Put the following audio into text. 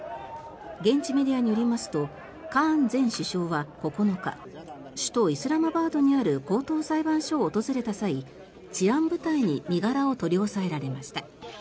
現地メディアによりますとカーン前首相は９日首都イスラマバードにある高等裁判所を訪れた際治安部隊に身柄を取り押さえられました。